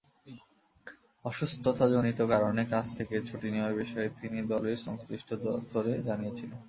অসুস্থতাজনিত কারণে কাজ থেকে ছুটি নেওয়ার বিষয়ে তিনি দলের সংশ্লিষ্ট দফতরে জানিয়েছিলেন।